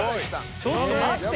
ちょっと待って。